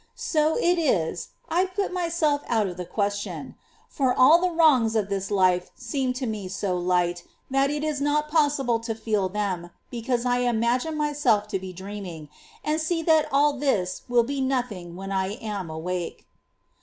So it is, I put myself out of the question ; for all the wrongs of this life seem to me so light, that it is not possible to feel them, because I imagine myself to be dreaming, and see that all this will be nothing when I am awake.